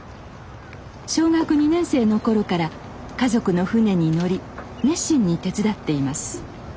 小学２年生の頃から家族の船に乗り熱心に手伝っています。